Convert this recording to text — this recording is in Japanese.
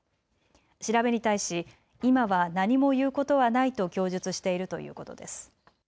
調べに対し今は何も言うことはないと供述しているということです。